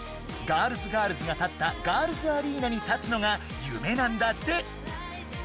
ガールズ・ガールズが立ったガールズアリーナに立つのが夢なんだって。